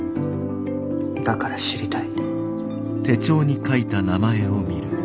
だから知りたい。